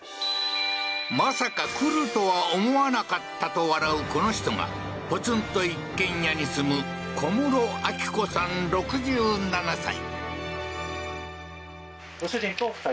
まさか来るとは思わなかったと笑うこの人がポツンと一軒家に住む小室秋子さん、６７歳。